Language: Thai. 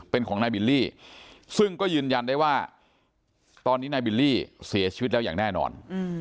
เป็นของนายบิลลี่ซึ่งก็ยืนยันได้ว่าตอนนี้นายบิลลี่เสียชีวิตแล้วอย่างแน่นอน